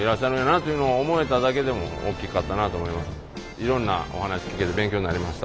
いろんなお話聞けて勉強になりました。